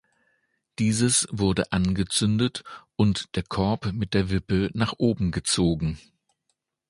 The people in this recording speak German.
Dieses wurde angezündet und der Korb mit der Wippe nach oben gezogen.